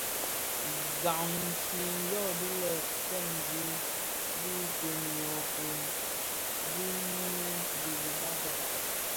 Gam intsem yödhi lè yo fènzi bidönög gom di niyeñi di badag.